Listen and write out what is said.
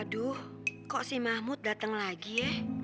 aduh kok si mahmud datang lagi ya